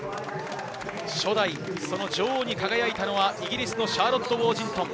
初代女王に輝いたのはイギリスのシャーロット・ウォージントン。